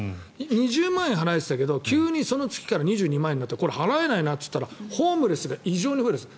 ２０万円払ってたけど急にその月から２０数万円とかこれは払えないなといったらホームレスが異常に増えるんです。